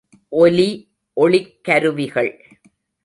ஒலி ஒளிக் கருவிகள்.